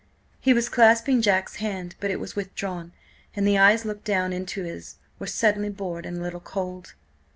He was clasping Jack's hand, but it was withdrawn, and the eyes looking down into his were suddenly bored and a little cold.